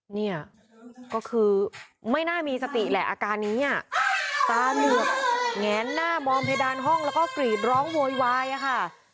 เนี่ยก็คือไม่น่ามีสติแหละอาการนี้อ่ะตาเหลือกแงนหน้ามองเพดานห้องแล้วก็กรีดร้องโวยวายอะค่ะ